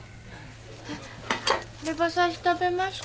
レバ刺し食べますか？